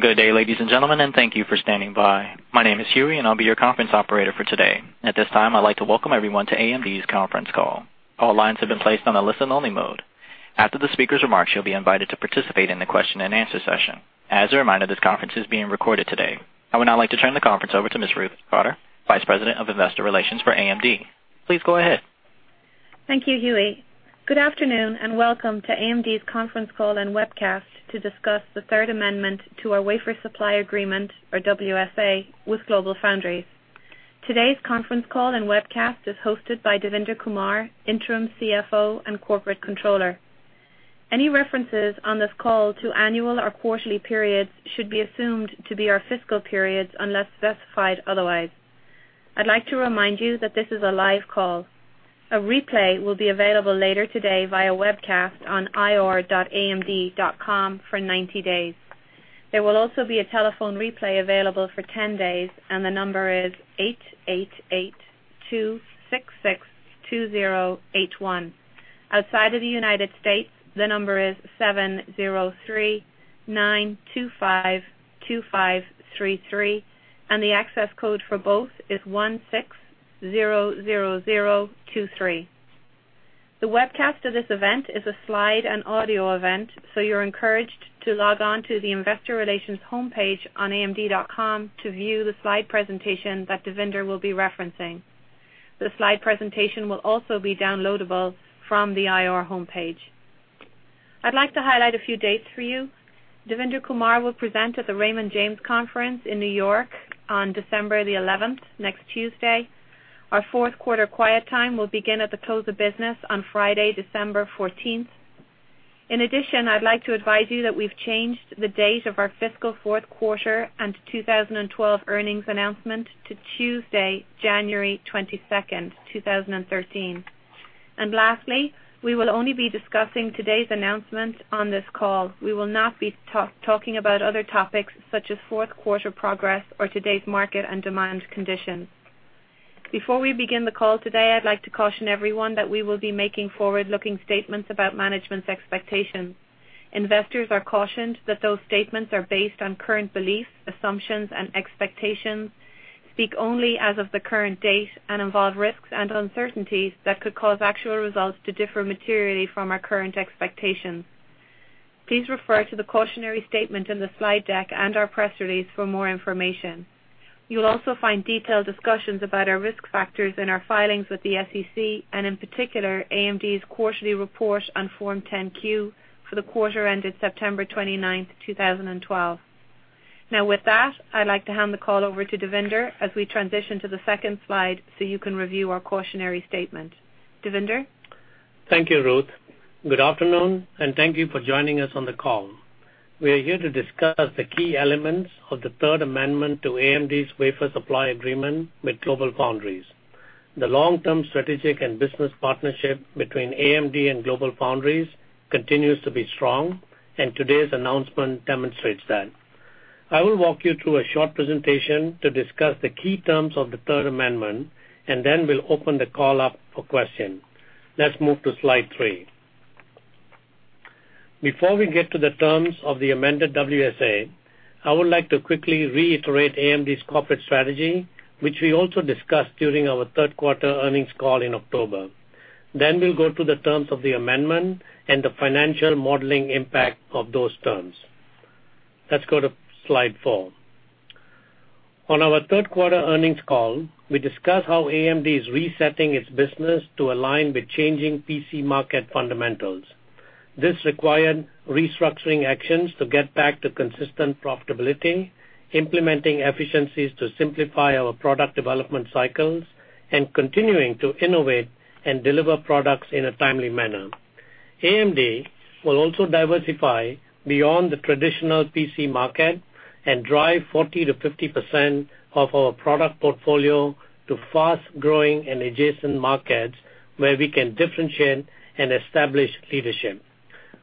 Good day, ladies and gentlemen. Thank you for standing by. My name is Huey. I'll be your conference operator for today. At this time, I'd like to welcome everyone to AMD's conference call. All lines have been placed on a listen-only mode. After the speaker's remarks, you'll be invited to participate in the question-and-answer session. As a reminder, this conference is being recorded today. I would now like to turn the conference over to Ms. Ruth Cotter, Vice President of Investor Relations for AMD. Please go ahead. Thank you, Huey. Good afternoon. Welcome to AMD's conference call and webcast to discuss the third amendment to our wafer supply agreement, or WSA, with GlobalFoundries. Today's conference call and webcast is hosted by Devinder Kumar, Interim CFO and Corporate Controller. Any references on this call to annual or quarterly periods should be assumed to be our fiscal periods, unless specified otherwise. I'd like to remind you that this is a live call. A replay will be available later today via webcast on ir.amd.com for 90 days. There will also be a telephone replay available for 10 days. The number is 888-266-2081. Outside of the U.S., the number is 703-925-2533. The access code for both is 1600023. The webcast of this event is a slide and audio event. You're encouraged to log on to the investor relations homepage on amd.com to view the slide presentation that Devinder will be referencing. The slide presentation will also be downloadable from the IR homepage. I'd like to highlight a few dates for you. Devinder Kumar will present at the Raymond James Conference in New York on December the 11th, next Tuesday. Our fourth quarter quiet time will begin at the close of business on Friday, December 14th. In addition, I'd like to advise you that we've changed the date of our fiscal fourth quarter and 2012 earnings announcement to Tuesday, January 22nd, 2013. Lastly, we will only be discussing today's announcement on this call. We will not be talking about other topics such as fourth quarter progress or today's market and demand conditions. Before we begin the call today, I'd like to caution everyone that we will be making forward-looking statements about management's expectations. Investors are cautioned that those statements are based on current beliefs, assumptions, and expectations, speak only as of the current date, and involve risks and uncertainties that could cause actual results to differ materially from our current expectations. Please refer to the cautionary statement in the slide deck and our press release for more information. You'll also find detailed discussions about our risk factors in our filings with the SEC. In particular, AMD's quarterly report on Form 10-Q for the quarter ended September 29th, 2012. With that, I'd like to hand the call over to Devinder as we transition to the second slide so you can review our cautionary statement. Devinder? Thank you, Ruth. Good afternoon, and thank you for joining us on the call. We are here to discuss the key elements of the third amendment to AMD's wafer supply agreement with GlobalFoundries. The long-term strategic and business partnership between AMD and GlobalFoundries continues to be strong, and today's announcement demonstrates that. I will walk you through a short presentation to discuss the key terms of the third amendment, then we'll open the call up for questions. Let's move to slide three. Before we get to the terms of the amended WSA, I would like to quickly reiterate AMD's corporate strategy, which we also discussed during our third quarter earnings call in October. We'll go to the terms of the amendment and the financial modeling impact of those terms. Let's go to slide four. On our third quarter earnings call, we discussed how AMD is resetting its business to align with changing PC market fundamentals. This required restructuring actions to get back to consistent profitability, implementing efficiencies to simplify our product development cycles, and continuing to innovate and deliver products in a timely manner. AMD will also diversify beyond the traditional PC market and drive 40%-50% of our product portfolio to fast-growing and adjacent markets where we can differentiate and establish leadership.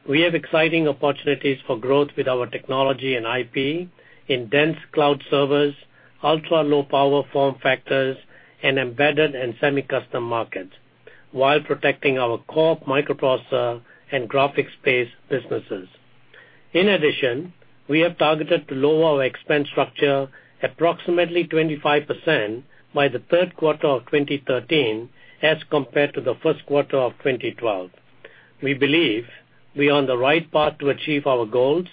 We have exciting opportunities for growth with our technology and IP in dense cloud servers, ultra-low power form factors, and embedded and semi-custom markets while protecting our core microprocessor and graphics-based businesses. In addition, we have targeted to lower our expense structure approximately 25% by the third quarter of 2013 as compared to the first quarter of 2012. We believe we are on the right path to achieve our goals,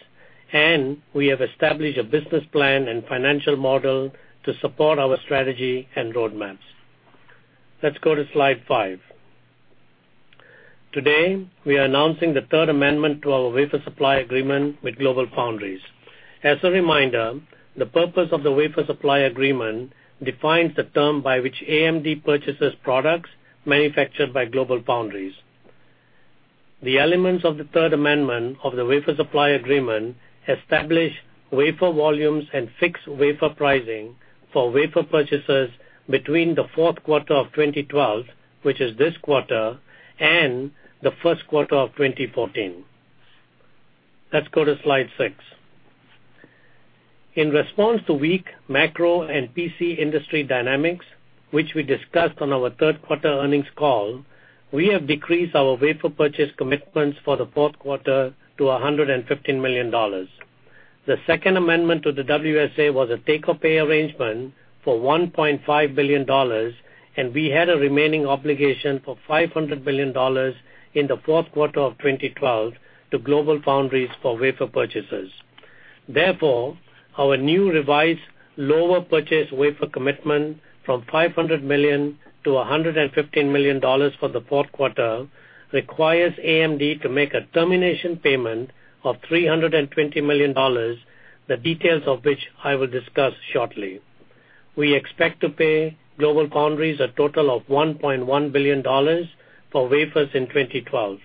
and we have established a business plan and financial model to support our strategy and roadmaps. Let's go to slide five. Today, we are announcing the third amendment to our wafer supply agreement with GlobalFoundries. As a reminder, the purpose of the wafer supply agreement defines the term by which AMD purchases products manufactured by GlobalFoundries. The elements of the third amendment of the wafer supply agreement establish wafer volumes and fixed wafer pricing for wafer purchases between the fourth quarter of 2012, which is this quarter, and the first quarter of 2014. Let's go to slide six. In response to weak macro and PC industry dynamics which we discussed on our third quarter earnings call, we have decreased our wafer purchase commitments for the fourth quarter to $115 million. The second amendment to the WSA was a take-or-pay arrangement for $1.5 billion, and we had a remaining obligation for $500 million in the fourth quarter of 2012 to GlobalFoundries for wafer purchases. Our new revised lower purchase wafer commitment from $500 million to $115 million for the fourth quarter requires AMD to make a termination payment of $320 million, the details of which I will discuss shortly. We expect to pay GlobalFoundries a total of $1.1 billion for wafers in 2012.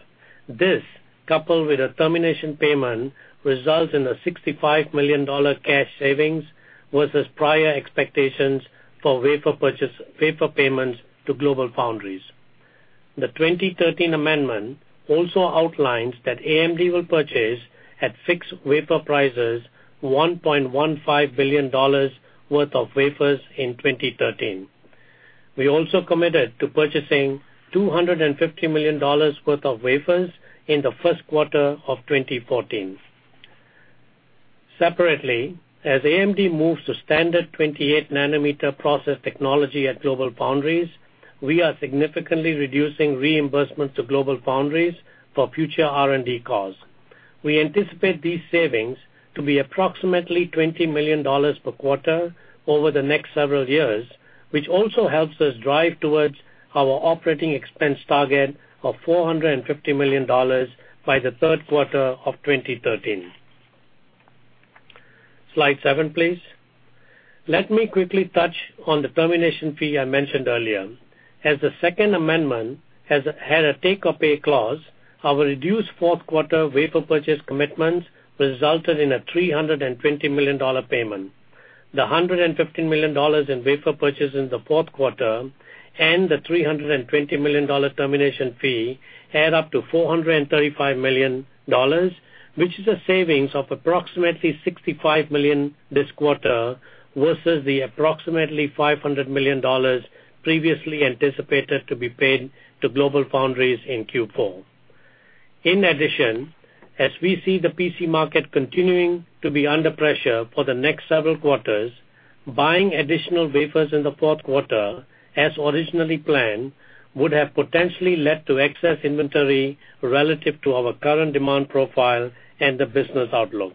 This, coupled with a termination payment, results in a $65 million cash savings versus prior expectations for wafer payments to GlobalFoundries. The 2013 amendment also outlines that AMD will purchase, at fixed wafer prices, $1.15 billion worth of wafers in 2013. We also committed to purchasing $250 million worth of wafers in the first quarter of 2014. Separately, as AMD moves to standard 28 nanometer process technology at GlobalFoundries, we are significantly reducing reimbursement to GlobalFoundries for future R&D costs. We anticipate these savings to be approximately $20 million per quarter over the next several years, which also helps us drive towards our operating expense target of $450 million by the third quarter of 2013. Slide seven, please. Let me quickly touch on the termination fee I mentioned earlier. As the second amendment had a take-or-pay clause, our reduced fourth quarter wafer purchase commitments resulted in a $320 million payment. The $115 million in wafer purchase in the fourth quarter and the $320 million termination fee add up to $435 million, which is a savings of approximately $65 million this quarter, versus the approximately $500 million previously anticipated to be paid to GlobalFoundries in Q4. As we see the PC market continuing to be under pressure for the next several quarters, buying additional wafers in the fourth quarter, as originally planned, would have potentially led to excess inventory relative to our current demand profile and the business outlook.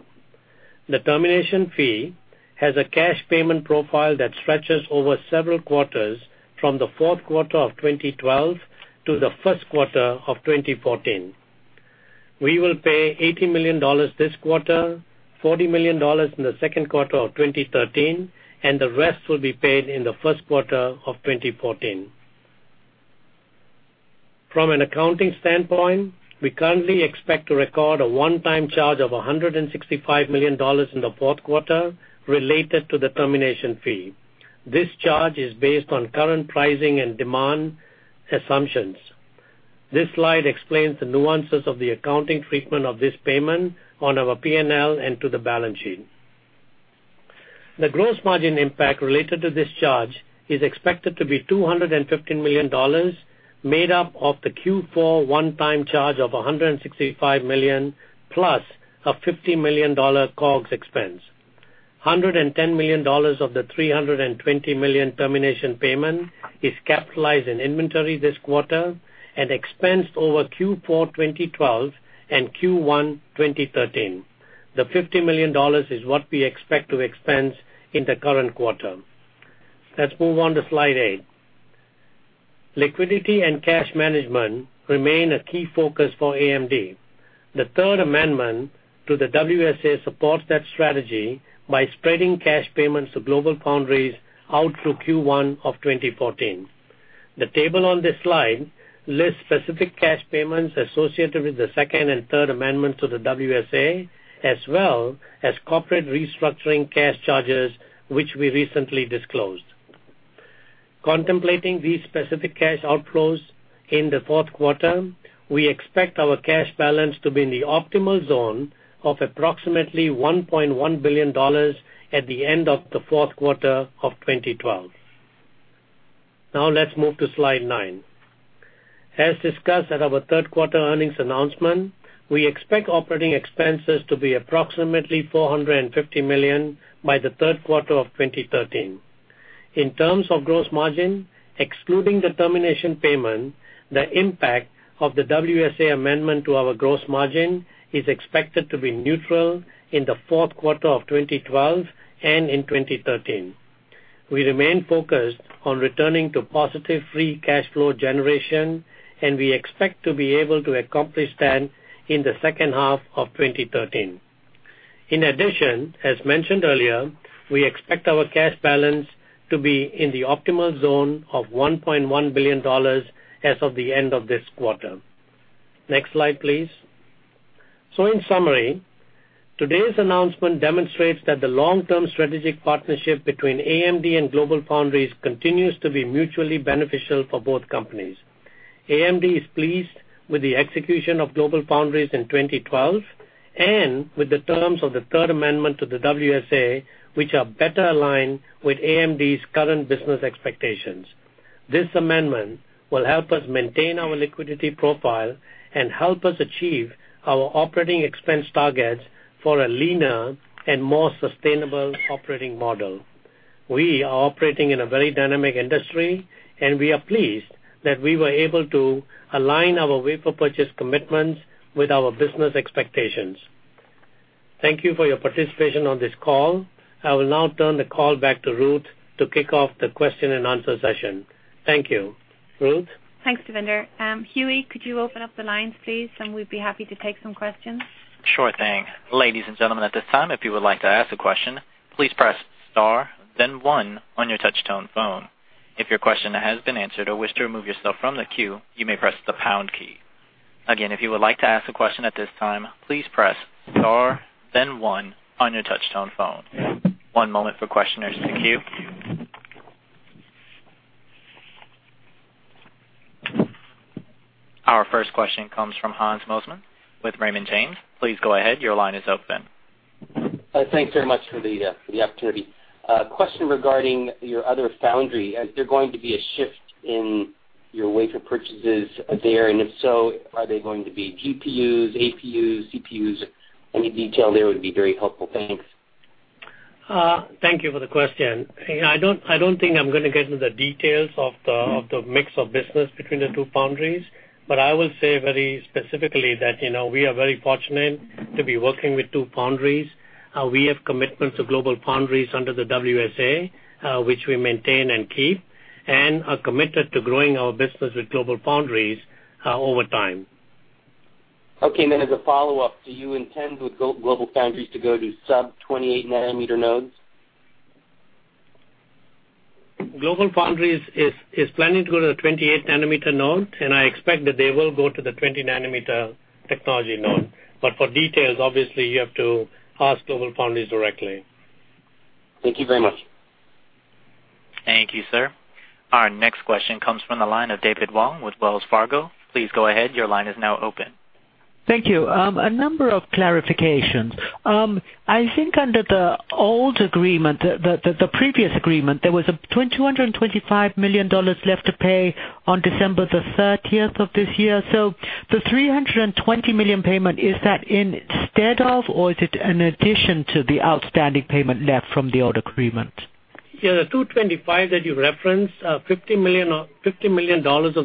The termination fee has a cash payment profile that stretches over several quarters from the fourth quarter of 2012 to the first quarter of 2014. We will pay $80 million this quarter, $40 million in the second quarter of 2013, and the rest will be paid in the first quarter of 2014. From an accounting standpoint, we currently expect to record a one-time charge of $165 million in the fourth quarter related to the termination fee. This charge is based on current pricing and demand assumptions. This slide explains the nuances of the accounting treatment of this payment on our P&L and to the balance sheet. The gross margin impact related to this charge is expected to be $215 million, made up of the Q4 one-time charge of $165 million, plus a $50 million COGS expense. $110 million of the $320 million termination payment is capitalized in inventory this quarter and expensed over Q4 2012 and Q1 2013. The $50 million is what we expect to expense in the current quarter. Let's move on to slide eight. Liquidity and cash management remain a key focus for AMD. The third amendment to the WSA supports that strategy by spreading cash payments to GlobalFoundries out through Q1 of 2014. The table on this slide lists specific cash payments associated with the second and third amendments to the WSA, as well as corporate restructuring cash charges, which we recently disclosed. Contemplating these specific cash outflows in the fourth quarter, we expect our cash balance to be in the optimal zone of approximately $1.1 billion at the end of the fourth quarter of 2012. Let's move to slide nine. As discussed at our third-quarter earnings announcement, we expect operating expenses to be approximately $450 million by the third quarter of 2013. In terms of gross margin, excluding the termination payment, the impact of the WSA amendment to our gross margin is expected to be neutral in the fourth quarter of 2012 and in 2013. We remain focused on returning to positive free cash flow generation, and we expect to be able to accomplish that in the second half of 2013. In addition, as mentioned earlier, we expect our cash balance to be in the optimal zone of $1.1 billion as of the end of this quarter. Next slide, please. In summary, today's announcement demonstrates that the long-term strategic partnership between AMD and GlobalFoundries continues to be mutually beneficial for both companies. AMD is pleased with the execution of GlobalFoundries in 2012 and with the terms of the third amendment to the WSA, which are better aligned with AMD's current business expectations. This amendment will help us maintain our liquidity profile and help us achieve our operating expense targets for a leaner and more sustainable operating model. We are operating in a very dynamic industry, and we are pleased that we were able to align our wafer purchase commitments with our business expectations. Thank you for your participation on this call. I will now turn the call back to Ruth to kick off the question-and-answer session. Thank you. Ruth? Thanks, Devinder. Huey, could you open up the lines, please, we'd be happy to take some questions. Sure thing. Ladies and gentlemen, at this time, if you would like to ask a question, please press star then one on your touch tone phone. If your question has been answered or wish to remove yourself from the queue, you may press the pound key. Again, if you would like to ask a question at this time, please press star then one on your touch tone phone. One moment for questioners in the queue. Our first question comes from Hans Mosesmann with Raymond James. Please go ahead. Your line is open. Thanks very much for the opportunity. A question regarding your other foundry. Is there going to be a shift in your wafer purchases there? If so, are they going to be GPUs, APUs, CPUs? Any detail there would be very helpful. Thanks. Thank you for the question. I don't think I'm going to get into the details of the mix of business between the two foundries, I will say very specifically that we are very fortunate to be working with two foundries. We have commitments to GlobalFoundries under the WSA, which we maintain and keep, are committed to growing our business with GlobalFoundries over time. Okay. As a follow-up, do you intend with GlobalFoundries to go to sub 28 nanometer nodes? GlobalFoundries is planning to go to the 28 nanometer node, I expect that they will go to the 20 nanometer technology node. For details, obviously, you have to ask GlobalFoundries directly. Thank you very much. Thank you, sir. Our next question comes from the line of David Wong with Wells Fargo. Please go ahead. Your line is now open. Thank you. A number of clarifications. I think under the old agreement, the previous agreement, there was $225 million left to pay on December the 30th of this year. The $320 million payment, is that instead of or is it an addition to the outstanding payment left from the old agreement? The $225 that you referenced, $50 million of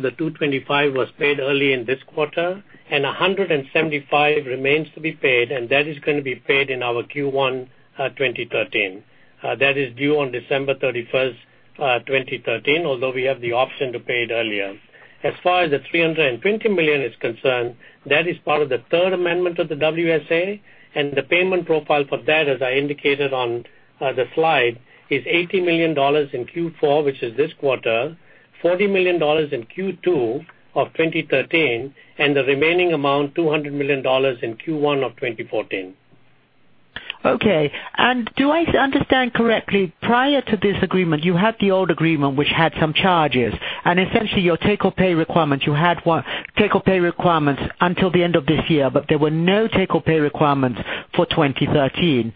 the $225 was paid early in this quarter, and $175 remains to be paid, and that is going to be paid in our Q1 2013. That is due on December 31st, 2013, although we have the option to pay it earlier. As far as the $320 million is concerned, that is part of the third amendment of the WSA, and the payment profile for that, as I indicated on the slide, is $80 million in Q4, which is this quarter, $40 million in Q2 of 2013, and the remaining amount, $200 million in Q1 of 2014. Okay. Do I understand correctly, prior to this agreement, you had the old agreement, which had some charges, and essentially, your take-or-pay requirements, you had take-or-pay requirements until the end of this year, but there were no take-or-pay requirements for 2013.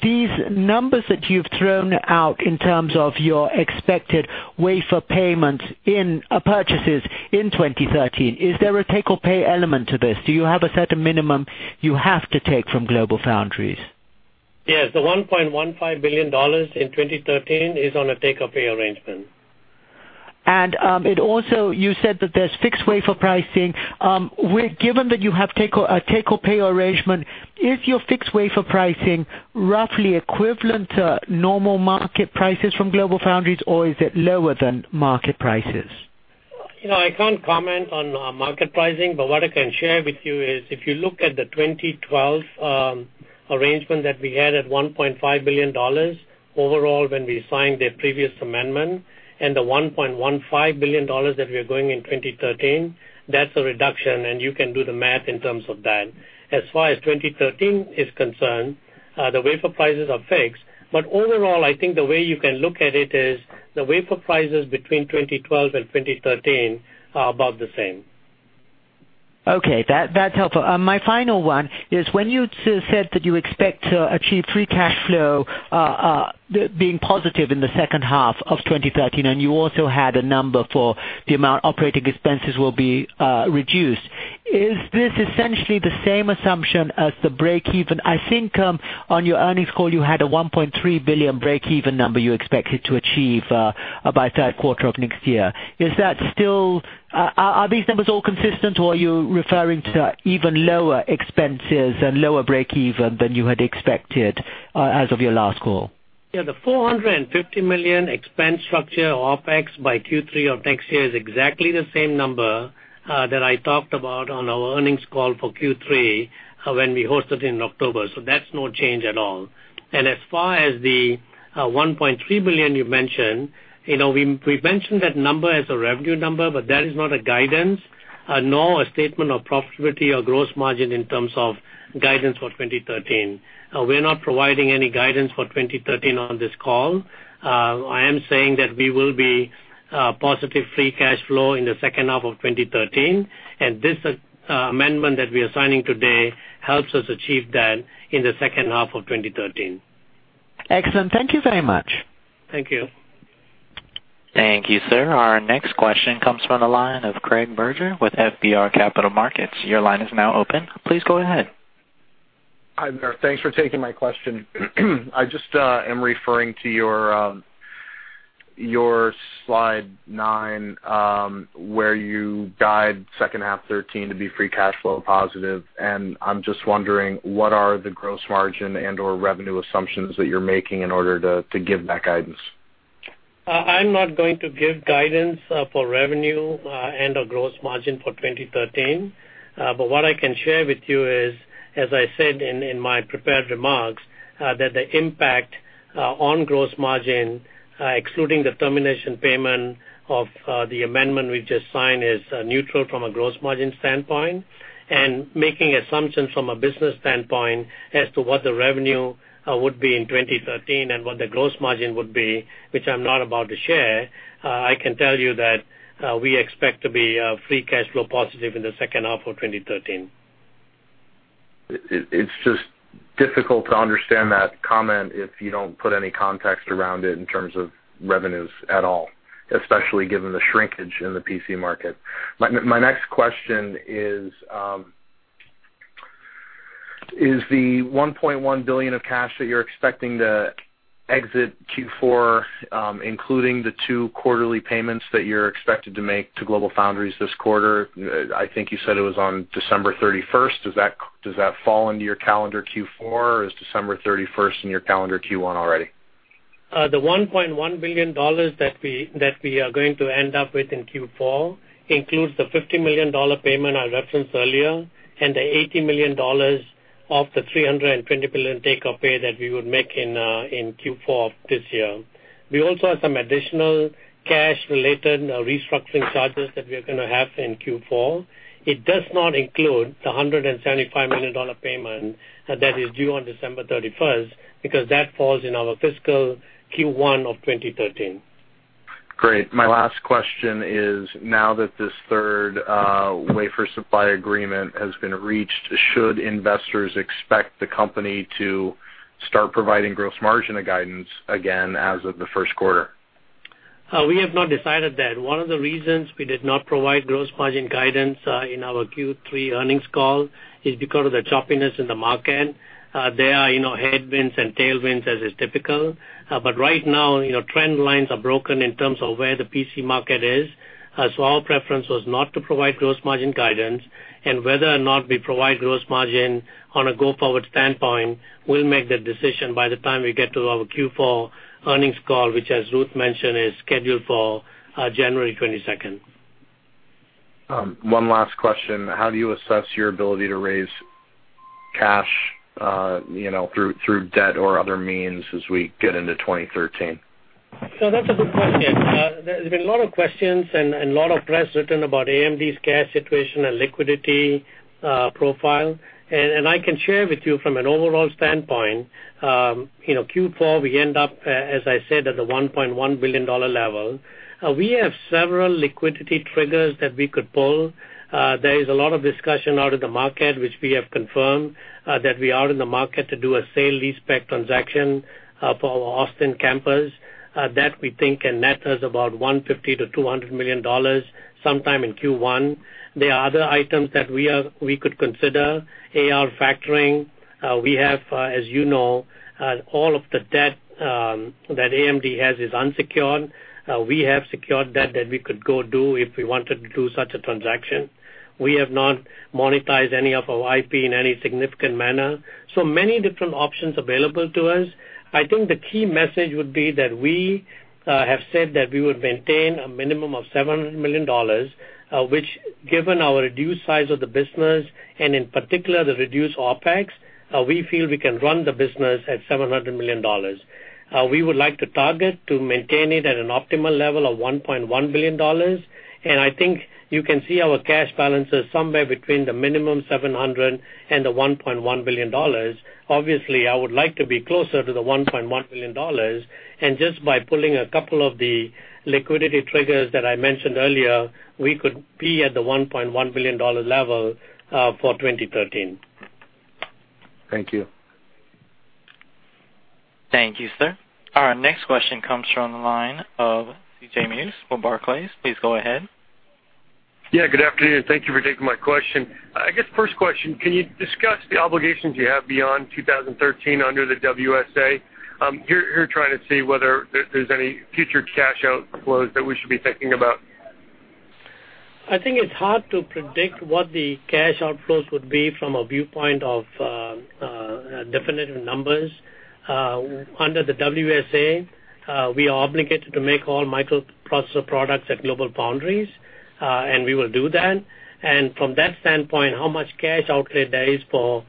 These numbers that you've thrown out in terms of your expected wafer purchases in 2013, is there a take-or-pay element to this? Do you have a certain minimum you have to take from GlobalFoundries? Yes, the $1.15 billion in 2013 is on a take-or-pay arrangement. Also, you said that there's fixed wafer pricing. Given that you have a take-or-pay arrangement, is your fixed wafer pricing roughly equivalent to normal market prices from GlobalFoundries, or is it lower than market prices? I can't comment on market pricing. What I can share with you is if you look at the 2012 arrangement that we had at $1.5 billion overall when we signed the previous amendment and the $1.15 billion that we are going in 2013, that's a reduction, and you can do the math in terms of that. As far as 2013 is concerned, the wafer prices are fixed. Overall, I think the way you can look at it is the wafer prices between 2012 and 2013 are about the same. Okay, that's helpful. My final one is when you said that you expect to achieve free cash flow being positive in the second half of 2013, and you also had a number for the amount operating expenses will be reduced. Is this essentially the same assumption as the break-even? I think on your earnings call, you had a $1.3 billion break-even number you expected to achieve by third quarter of next year. Are these numbers all consistent, or are you referring to even lower expenses and lower break-even than you had expected as of your last call? Yeah, the $450 million expense structure OpEx by Q3 of next year is exactly the same number that I talked about on our earnings call for Q3 when we hosted in October. That's no change at all. As far as the $1.3 billion you mentioned, we've mentioned that number as a revenue number, but that is not a guidance. Nor a statement of profitability or gross margin in terms of guidance for 2013. We're not providing any guidance for 2013 on this call. I am saying that we will be positive free cash flow in the second half of 2013, and this amendment that we are signing today helps us achieve that in the second half of 2013. Excellent. Thank you very much. Thank you. Thank you, sir. Our next question comes from the line of Craig Berger with FBR Capital Markets. Your line is now open. Please go ahead. Hi there. Thanks for taking my question. I am referring to your slide nine, where you guide second half 2013 to be free cash flow positive. I am wondering, what are the gross margin and/or revenue assumptions that you're making in order to give that guidance? I'm not going to give guidance for revenue and our gross margin for 2013. What I can share with you is, as I said in my prepared remarks, that the impact on gross margin, excluding the termination payment of the amendment we signed, is neutral from a gross margin standpoint. Making assumptions from a business standpoint as to what the revenue would be in 2013 and what the gross margin would be, which I'm not about to share, I can tell you that we expect to be free cash flow positive in the second half of 2013. It is difficult to understand that comment if you don't put any context around it in terms of revenues at all, especially given the shrinkage in the PC market. My next question is the $1.1 billion of cash that you're expecting to exit Q4, including the two quarterly payments that you're expected to make to GlobalFoundries this quarter, I think you said it was on December 31st. Does that fall into your calendar Q4, or is December 31st in your calendar Q1 already? The $1.1 billion that we are going to end up with in Q4 includes the $50 million payment I referenced earlier and the $80 million of the $320 million take-or-pay that we would make in Q4 of this year. We also have some additional cash-related restructuring charges that we are going to have in Q4. It does not include the $175 million payment that is due on December 31st, because that falls in our fiscal Q1 of 2013. Great. My last question is, now that this third wafer supply agreement has been reached, should investors expect the company to start providing gross margin guidance again as of the first quarter? We have not decided that. One of the reasons we did not provide gross margin guidance in our Q3 earnings call is because of the choppiness in the market. There are headwinds and tailwinds, as is typical. Right now, trend lines are broken in terms of where the PC market is. Our preference was not to provide gross margin guidance. Whether or not we provide gross margin on a go-forward standpoint, we'll make that decision by the time we get to our Q4 earnings call, which, as Ruth mentioned, is scheduled for January 22nd. One last question. How do you assess your ability to raise cash through debt or other means as we get into 2013? That's a good question. There's been a lot of questions and a lot of press written about AMD's cash situation and liquidity profile. I can share with you from an overall standpoint, Q4, we end up, as I said, at the $1.1 billion level. We have several liquidity triggers that we could pull. There is a lot of discussion out in the market, which we have confirmed, that we are in the market to do a sale-leaseback transaction for our Austin campus. That, we think, can net us about $150 million-$200 million sometime in Q1. There are other items that we could consider. AR factoring. We have, as you know, all of the debt that AMD has is unsecured. We have secured debt that we could go do if we wanted to do such a transaction. We have not monetized any of our IP in any significant manner. Many different options available to us. I think the key message would be that we have said that we would maintain a minimum of $700 million, which, given our reduced size of the business and in particular the reduced OpEx, we feel we can run the business at $700 million. We would like to target to maintain it at an optimal level of $1.1 billion, and I think you can see our cash balances somewhere between the minimum $700 million and the $1.1 billion. Obviously, I would like to be closer to the $1.1 billion, and just by pulling a couple of the liquidity triggers that I mentioned earlier, we could be at the $1.1 billion level for 2013. Thank you. Thank you, sir. Our next question comes from the line of C.J. Muse with Barclays. Please go ahead. Good afternoon. Thank you for taking my question. First question, can you discuss the obligations you have beyond 2013 under the WSA? Here trying to see whether there's any future cash outflows that we should be thinking about. It's hard to predict what the cash outflows would be from a viewpoint of definitive numbers. Under the WSA, we are obligated to make all microprocessor products at GlobalFoundries, and we will do that. From that standpoint, how much cash outlay there is for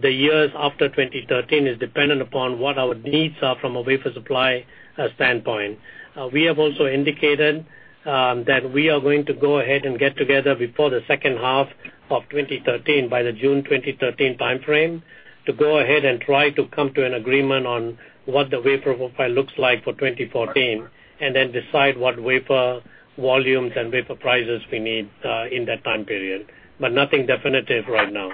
the years after 2013 is dependent upon what our needs are from a wafer supply standpoint. We have also indicated that we are going to go ahead and get together before the second half of 2013, by the June 2013 timeframe, to go ahead and try to come to an agreement on what the wafer profile looks like for 2014, then decide what wafer volumes and wafer prices we need in that time period. Nothing definitive right now.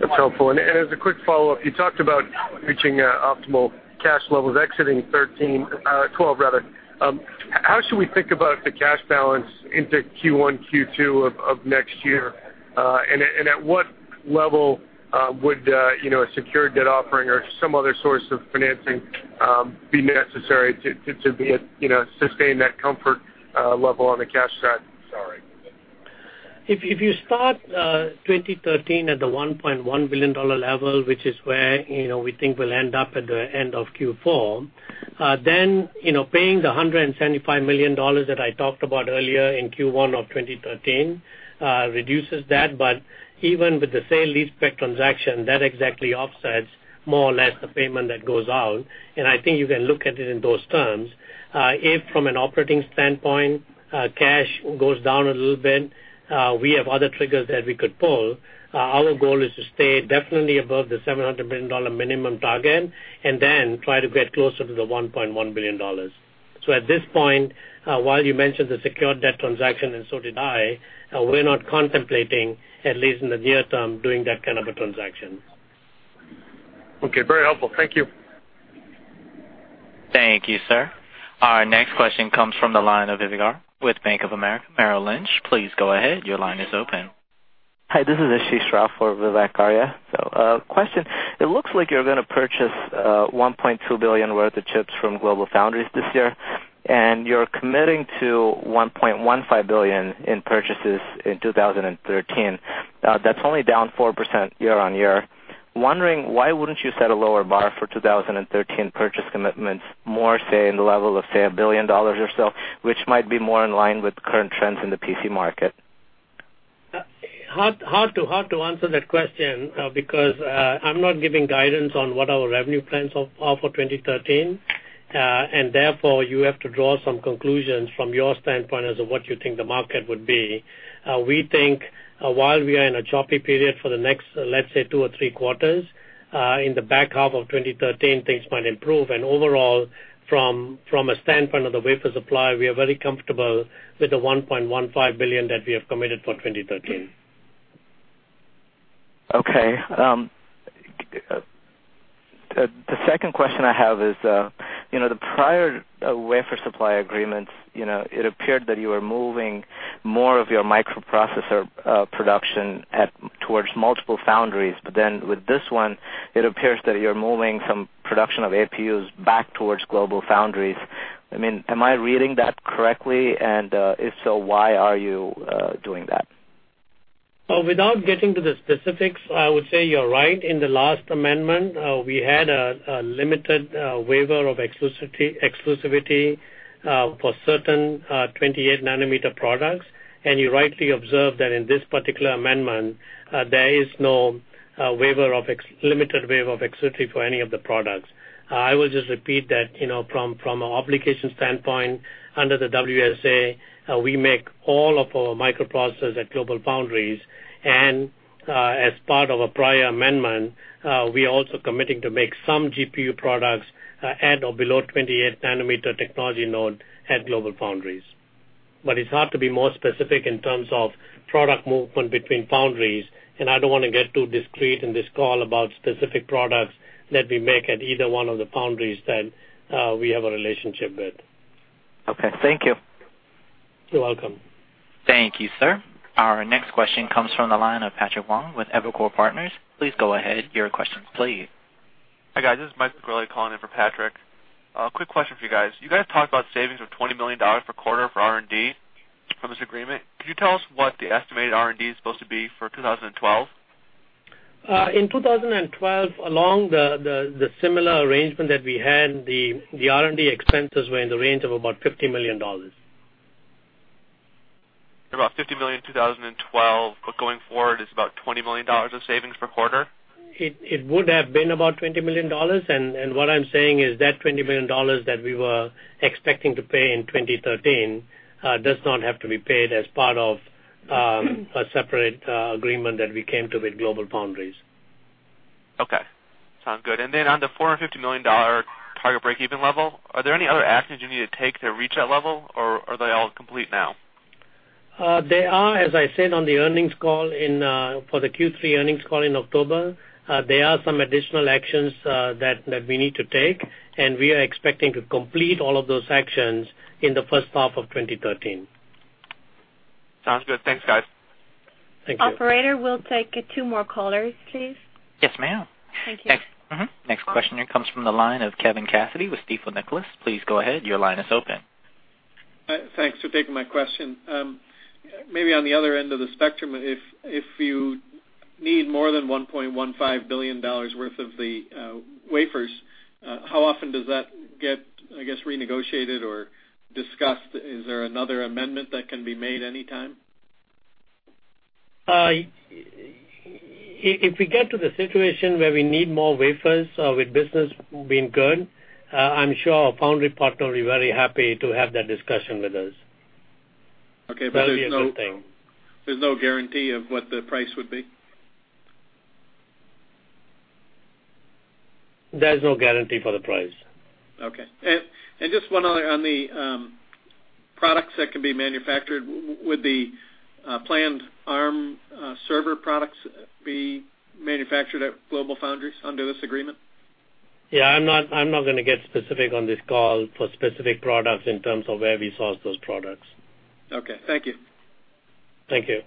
That's helpful. As a quick follow-up, you talked about reaching optimal cash levels exiting 2012 rather. How should we think about the cash balance into Q1, Q2 of next year? At what level would a secured debt offering or some other source of financing be necessary to sustain that comfort level on the cash side? Sorry. If you start 2013 at the $1.1 billion level, which is where we think we'll end up at the end of Q4, paying the $175 million that I talked about earlier in Q1 of 2013 reduces that. Even with the sale-leaseback transaction, that exactly offsets more or less the payment that goes out. From an operating standpoint, cash goes down a little bit, we have other triggers that we could pull. Our goal is to stay definitely above the $700 million minimum target and then try to get closer to the $1.1 billion. At this point, while you mentioned the secured debt transaction, and so did I, we're not contemplating, at least in the near term, doing that kind of a transaction. Okay. Very helpful. Thank you. Thank you, sir. Our next question comes from the line of Vivek with Bank of America Merrill Lynch. Please go ahead. Your line is open. Hi, this is Ashish Rao for Vivek Arya. Question, it looks like you're going to purchase $1.2 billion worth of chips from GlobalFoundries this year, and you're committing to $1.15 billion in purchases in 2013. That's only down 4% year-on-year. Wondering why wouldn't you set a lower bar for 2013 purchase commitments more, say in the level of, say, $1 billion or so, which might be more in line with current trends in the PC market? Hard to answer that question because I'm not giving guidance on what our revenue plans are for 2013, and therefore you have to draw some conclusions from your standpoint as to what you think the market would be. We think while we are in a choppy period for the next, let's say two or three quarters, in the back half of 2013, things might improve. Overall, from a standpoint of the wafer supply, we are very comfortable with the $1.15 billion that we have committed for 2013. Okay. The second question I have is the prior wafer supply agreements, it appeared that you were moving more of your microprocessor production towards multiple foundries. With this one, it appears that you're moving some production of APUs back towards GlobalFoundries. Am I reading that correctly, and if so, why are you doing that? Without getting to the specifics, I would say you're right. In the last amendment, we had a limited waiver of exclusivity for certain 28 nm products. You rightly observed that in this particular amendment, there is no limited waiver of exclusivity for any of the products. I will just repeat that from an obligation standpoint, under the WSA, we make all of our microprocessors at GlobalFoundries, and as part of a prior amendment, we also committing to make some GPU products at or below 28 nm technology node at GlobalFoundries. It's hard to be more specific in terms of product movement between foundries, and I don't want to get too discreet in this call about specific products that we make at either one of the foundries that we have a relationship with. Okay. Thank you. You're welcome. Thank you, sir. Our next question comes from the line of Patrick Wong with Evercore Partners. Please go ahead. Your questions please. Hi, guys. This is Mike calling in for Patrick. Quick question for you guys. You guys talked about savings of $20 million per quarter for R&D from this agreement. Could you tell us what the estimated R&D is supposed to be for 2012? In 2012, along the similar arrangement that we had, the R&D expenses were in the range of about $50 million. About $50 million in 2012, going forward it's about $20 million of savings per quarter? It would have been about $20 million, and what I'm saying is that $20 million that we were expecting to pay in 2013 does not have to be paid as part of a separate agreement that we came to with GlobalFoundries. Okay, sounds good. Then on the $450 million target breakeven level, are there any other actions you need to take to reach that level, or are they all complete now? There are, as I said on the earnings call for the Q3 earnings call in October, there are some additional actions that we need to take, and we are expecting to complete all of those actions in the first half of 2013. Sounds good. Thanks, guys. Thank you. Operator, we'll take two more callers, please. Yes, ma'am. Thank you. Next questioner comes from the line of Kevin Cassidy with Stifel Nicolaus. Please go ahead. Your line is open. Thanks for taking my question. Maybe on the other end of the spectrum, if you need more than $1.15 billion worth of the wafers, how often does that get renegotiated or discussed? Is there another amendment that can be made anytime? If we get to the situation where we need more wafers with business being good, I'm sure our foundry partner will be very happy to have that discussion with us. Okay. That will be a good thing. There's no guarantee of what the price would be? There is no guarantee for the price. Okay. just one other on the products that can be manufactured, would the planned ARM server products be manufactured at GlobalFoundries under this agreement? Yeah. I'm not going to get specific on this call for specific products in terms of where we source those products. Okay. Thank you. Thank you.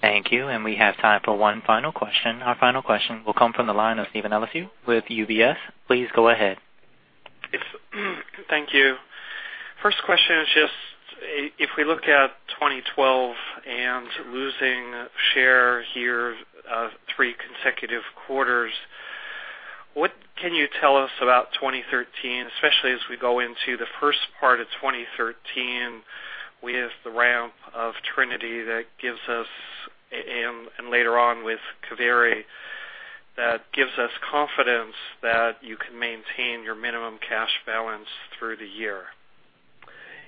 Thank you. We have time for one final question. Our final question will come from the line of Steven Eliscu with UBS. Please go ahead. Thank you. First question is just, if we look at 2012 and losing share here three consecutive quarters, what can you tell us about 2013, especially as we go into the first part of 2013 with the ramp of Trinity that gives us, and later on with Kaveri, that gives us confidence that you can maintain your minimum cash balance through the year?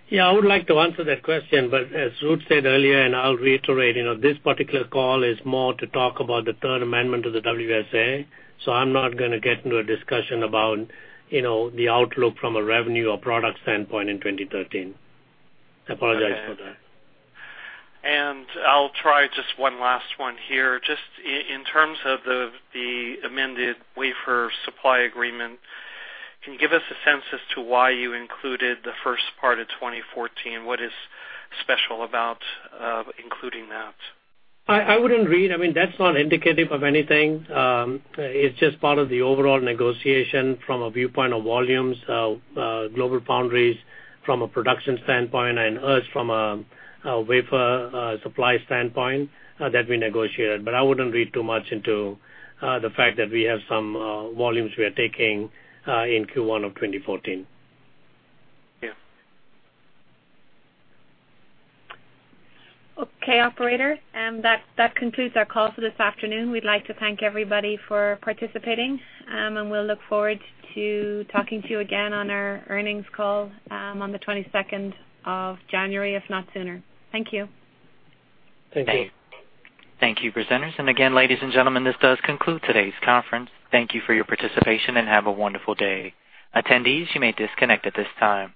Yeah, as Ruth said earlier, I'll reiterate, this particular call is more to talk about the third amendment to the WSA. I'm not going to get into a discussion about the outlook from a revenue or product standpoint in 2013. I apologize for that. I'll try just one last one here. Just in terms of the amended wafer supply agreement, can you give us a sense as to why you included the first part of 2014? What is special about including that? That's not indicative of anything. It's just part of the overall negotiation from a viewpoint of volumes of GlobalFoundries from a production standpoint and us from a wafer supply standpoint that we negotiated. I wouldn't read too much into the fact that we have some volumes we are taking in Q1 of 2014. Yeah. Okay. Operator, that concludes our call for this afternoon. We'd like to thank everybody for participating, and we'll look forward to talking to you again on our earnings call on the 22nd of January, if not sooner. Thank you. Thank you. Thank you, presenters. Again, ladies and gentlemen, this does conclude today's conference. Thank you for your participation, and have a wonderful day. Attendees, you may disconnect at this time.